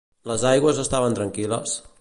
Les aigües estaven tranquil·les?